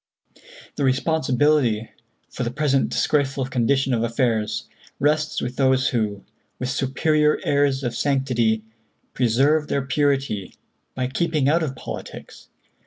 "The responsibility for the present disgraceful condition of affairs rests with those who, with superior airs of sanctity, preserve their purity by 'keeping out of politics.'